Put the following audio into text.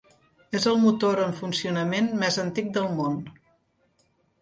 És el motor en funcionament més antic del món.